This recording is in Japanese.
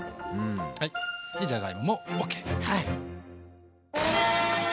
はいじゃがいももＯＫ！